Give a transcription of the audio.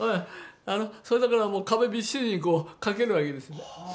それだからもう壁びっしりにこう掛けるわけです。